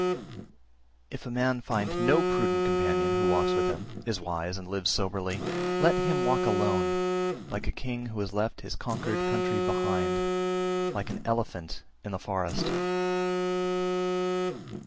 329. If a man find no prudent companion who walks with him, is wise, and lives soberly, let him walk alone, like a king who has left his conquered country behind, like an elephant in the forest.